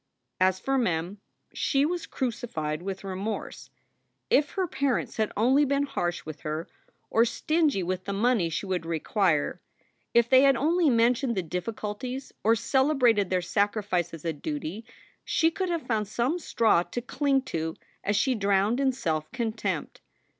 As for Mem, she was crucified with remorse. If her parents had only been harsh with her or stingy with the money she would require, if they had only mentioned the difficulties or celebrated their sacrifice as a duty, she could have found some straw to cling to as she drowned in self contempt.